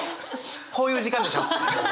こういう時間でしょ？